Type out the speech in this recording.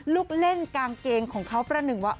ลูกเล่นกางเกงของเขาประหนึ่งว่า